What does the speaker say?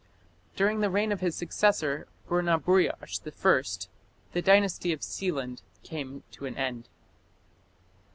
During the reign of his successor, Burnaburiash I, the Dynasty of Sealand came to an end.